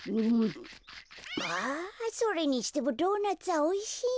あそれにしてもドーナツはおいしいな。